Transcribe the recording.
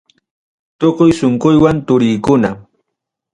Tukuy sunquywan turiykuna.